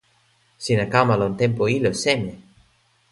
sina kama lon tenpo ilo seme?